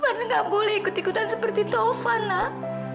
karena nggak boleh ikut ikutan seperti taufan nak